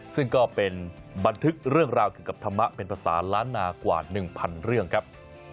ซึ่งก็เป็นบันทึกเรื่องราวเกี่ยวกับธรรมะเป็นภาษาล้านนากว่า๑๐๐เรื่องครับ